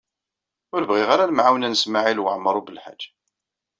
Ur bɣiɣ ara lemɛawna n Smawil Waɛmaṛ U Belḥaǧ.